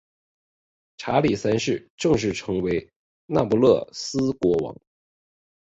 查理三世正式成为那不勒斯国王。